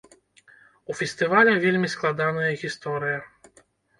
У фестываля вельмі складаная гісторыя.